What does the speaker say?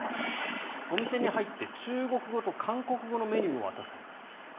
お店に入って中国語と韓国語のメニューを渡された。